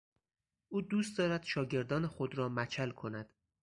او دوست دارد شاگردان خود را مچل کند.